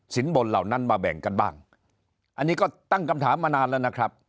บนเหล่านั้นมาแบ่งกันบ้างอันนี้ก็ตั้งคำถามมานานแล้วนะครับ